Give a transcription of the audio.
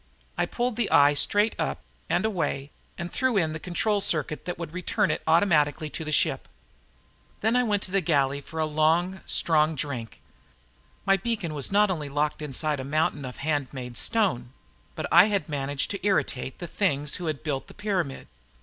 I pulled the eye straight up and away and threw in the control circuit that would return it automatically to the ship. Then I went to the galley for a long, strong drink. My beacon was not only locked inside a mountain of handmade stone, but I had managed to irritate the things who had built the pyramid.